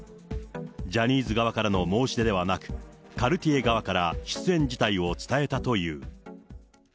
ジャニーズ側からの申し出ではなく、カルティエ側から出演辞退を伝えたという。